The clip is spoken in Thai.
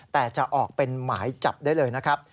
แต่จะออกเป็นหมายจับได้เลยนะครับ